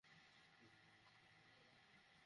আজকে আমার সেই খাওয়ার দিন।